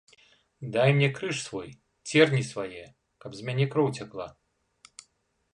Дай мне крыж свой, церні свае, каб з мяне кроў цякла.